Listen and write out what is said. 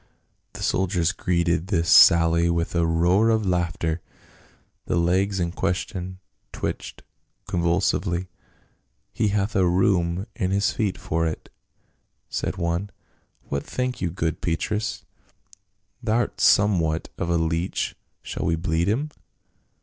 The soldiers greeted this sally with a roar of laugh ter ; the legs in question twitched convulsively. " He hath a rheum in his feet for it," said one, "what think you good Petrus, thou'rt somewhat of a leech, shall we bleed him?"